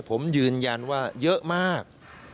ผมยืนยันว่าเยอะมาก